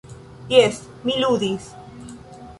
Jes, mi ludis.